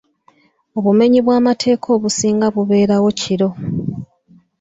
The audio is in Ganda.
Obumenyi bw'amateeka obusinga bubeerawo kiro.